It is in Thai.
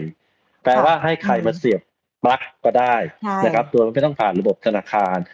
หรือว่าให้ใครมาเสียบปั๊กก็ได้ไม่ต้องผ่านระบบธนาคาร